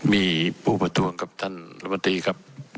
มีปูประตูงครับท่านรมตีครับ